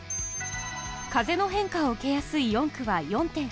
風の変化を受けやすい４区は４．８ｋｍ。